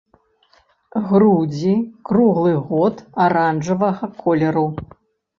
Грудзі круглы год аранжавага колеру.